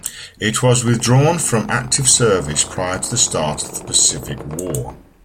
It was withdrawn from active service prior to the start of the Pacific War.